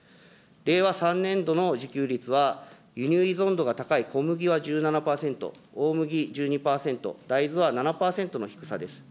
令和３年度の自給率は、輸入依存度が高い小麦は１７％、大麦１２％、大豆は７％の低さです。